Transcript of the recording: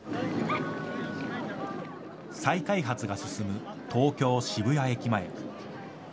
再開発が進む東京・渋谷駅前。